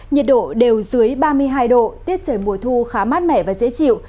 nhiệt độ đều dưới ba mươi hai độ tiết trời mùa thu khá mát mẻ và dễ chịu